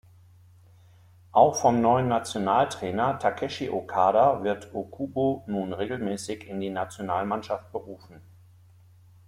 Auch vom neuen Nationaltrainer Takeshi Okada wird Ōkubo nun regelmäßig in die Nationalmannschaft berufen.